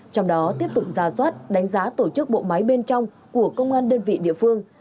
trong đó tiếp tục ra soát đánh giá tổ chức bộ máy bên trong của công an đơn vị địa phương